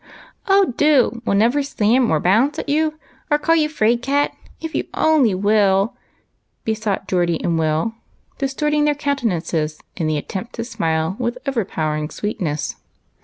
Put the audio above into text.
WHICH f 289 " Oh, do ! we '11 never slam, or bounce at you or call you ' fraid cat,' if you only will," besought Geordie and Will, distorting their countenances in the attempt to smile with overpowering sweetness.